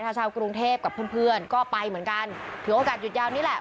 ชาวกรุงเทพกับเพื่อนเพื่อนก็ไปเหมือนกันถือโอกาสหยุดยาวนี่แหละ